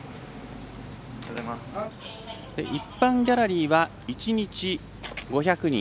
一般ギャラリーは１日５００人。